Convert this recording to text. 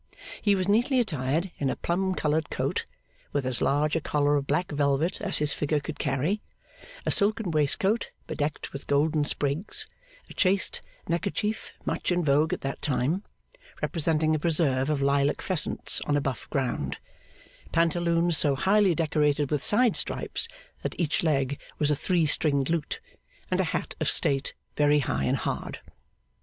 He was neatly attired in a plum coloured coat, with as large a collar of black velvet as his figure could carry; a silken waistcoat, bedecked with golden sprigs; a chaste neckerchief much in vogue at that day, representing a preserve of lilac pheasants on a buff ground; pantaloons so highly decorated with side stripes that each leg was a three stringed lute; and a hat of state very high and hard.